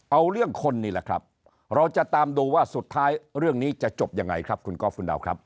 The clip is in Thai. เอาเรื่องคนนี่แหละครับเราจะตามดูว่าสุดท้ายเรื่องนี้จะจบยังไงครับคุณก๊อฟคุณดาวครับ